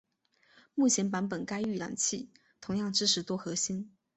目前版本该预览器同样支持多核心。